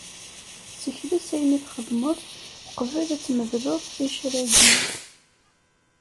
Sekles ayen i txedmed uqbel ad tmedleḍ iccer-agi.